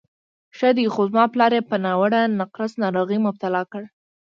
ښه دی، خو زما پلار یې په ناوړه نقرس ناروغۍ مبتلا کړ.